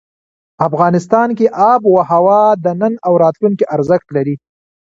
افغانستان کې آب وهوا د نن او راتلونکي ارزښت لري.